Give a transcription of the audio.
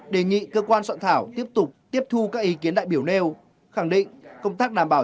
đề nghị cơ quan soạn thảo tiếp tục tiếp thu các ý kiến đại biểu nêu khẳng định công tác đảm bảo